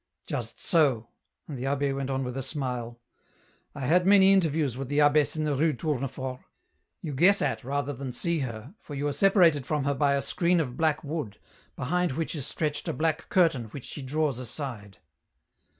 " Just so," and the abbd went on with a smile, — "I had many interviews with the abbess in the Rue Tournefort ; you guess at rather than see her, for you are separated from her by a screen of black wood, behind which is stretched a black curtain which she draws aside."